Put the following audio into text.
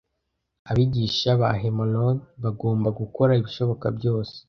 Abigisha ba Homeroom bagomba gukora ibishoboka byose